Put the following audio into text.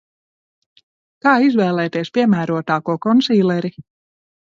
Kā izvēlēties piemērotāko konsīleri?